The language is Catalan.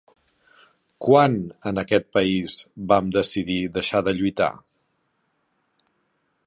Quan, en aquest país, vam decidim deixar de lluitar?